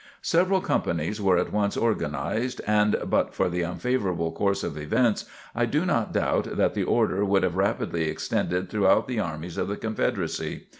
Several "companies" were at once organized and but for the unfavorable course of events, I do not doubt that the order would have rapidly extended throughout the armies of the Confederacy.